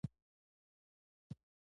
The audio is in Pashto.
پنځه دیرشم څپرکی